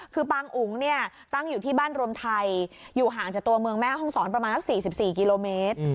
คือปางอุ๋งเนี่ยตั้งอยู่ที่บ้านรวมไทยอยู่ห่างจากตัวเมืองแม่ห้องศรประมาณสัก๔๔กิโลเมตร